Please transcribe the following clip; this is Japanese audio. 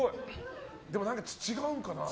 でも、違うんかな。